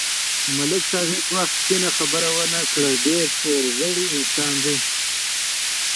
ملک صاحب هېڅ وخت سپینه خبره و نه کړه، ډېر تور زړی انسان دی.